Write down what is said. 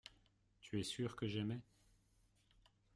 Tu es sûr que j’aimais.